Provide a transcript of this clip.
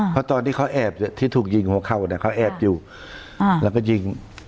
เพราะตอนที่เขาแอบที่ถูกยิงของเขาเนี่ยเขาแอบอยู่แล้วก็ยิง